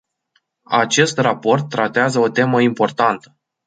Acest raport tratează o temă importantă.